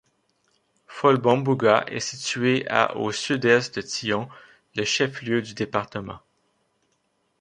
Folbombouga est située à au Sud-Est de Thion, le chef-lieu du département.